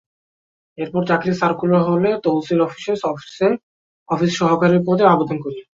এরপর চাকরির সার্কুলার হলে তহসিল অফিসে অফিস সহকারী পদে আবেদন করি।